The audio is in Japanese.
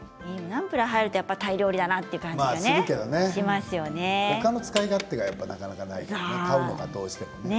ナムプラーが入るとタイ料理だなという感じがしますよね。